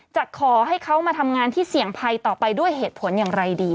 จะขอให้เขามาทำงานที่เสี่ยงภัยต่อไปด้วยเหตุผลอย่างไรดี